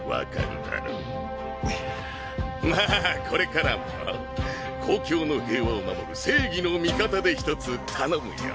んっまあこれからも公共の平和を守る正義の味方でひとつ頼むよ。